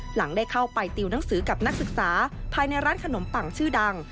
หลังได้เข้าไปติวหนังสือกับนักศึกษาภายในร้านขนมปังชื่อดัง